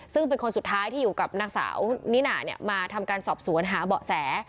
ซึ่งเป็นคนสุดท้ายที่อยู่กับนางสาวนิน่ามาทำการสอบสวนหาเบาะแส